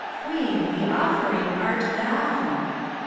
Queen, the offering art thou